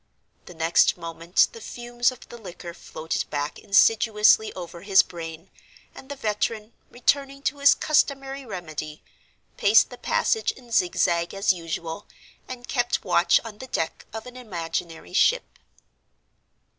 The next moment the fumes of the liquor floated back insidiously over his brain; and the veteran, returning to his customary remedy, paced the passage in zigzag as usual, and kept watch on the deck of an imaginary ship.